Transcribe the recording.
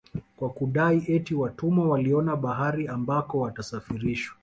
Kwa kudai eti watumwa waliona bahari ambako watasafarishwa